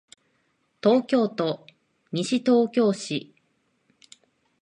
東京都西東京市